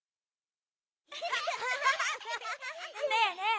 ねえねえ